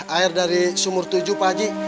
air dari sumur tujuh pak ji